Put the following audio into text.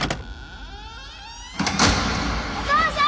お父さん！